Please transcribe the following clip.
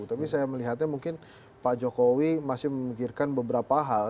tapi saya melihatnya mungkin pak jokowi masih memikirkan beberapa hal